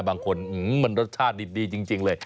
บางคนมันรสชาตินี่ดีจริงเลย